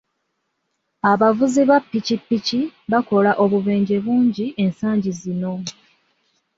Abavuzi ba ppikipiki bakola obubenje bungi ensangi zino.